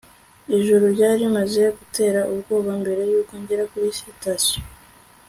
ijuru ryari rimaze gutera ubwoba mbere yuko ngera kuri sitasiyo